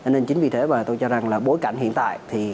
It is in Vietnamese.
nên chính vì thế tôi cho rằng bối cảnh hiện tại